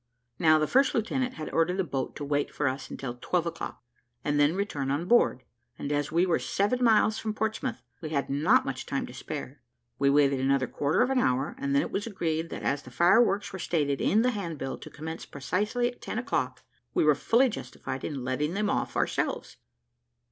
Now the first lieutenant had ordered the boat to wait for us until twelve o'clock, and then return on board; and as we were seven miles from Portsmouth, we had not much time to spare. We waited another quarter of an hour, and then it was agreed that as the fireworks were stated in the handbill to commence precisely at ten o'clock, we were fully justified in letting them off ourselves.